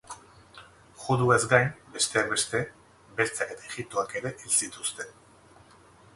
Juduez gain, besteak beste, beltzak eta ijitoak ere hil zituzten.